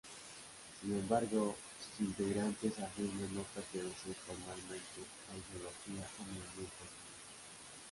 Sin embargo, sus integrantes afirman no pertenecer formalmente a ideología o movimiento alguno.